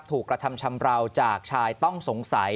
ถูกกระทำชำราวจากชายต้องสงสัย